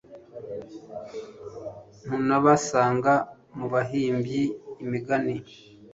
ntunabasanga mu bahimbye imigani